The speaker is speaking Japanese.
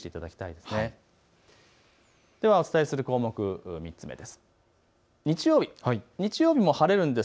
ではお伝えする項目３つ目です。